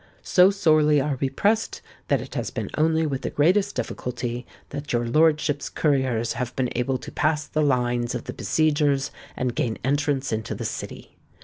So sorely are we pressed, that it has been only with the greatest difficulty that your lordship's couriers have been able to pass the lines of the besiegers, and gain entrance into the city.